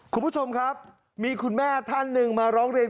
คุณผู้ชมครับมีคุณแม่ท่านหนึ่งมาร้องเรียน